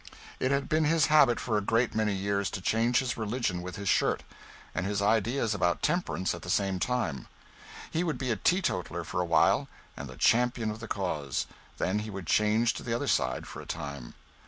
It had been his habit for a great many years to change his religion with his shirt, and his ideas about temperance at the same time. He would be a teetotaler for a while and the champion of the cause; then he would change to the other side for a time.